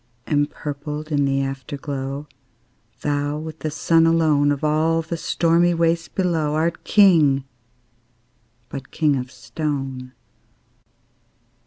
Empurpled in the Afterglow, Thou, with the Sun alone, Of all the stormy waste below, Art King, but king of stone!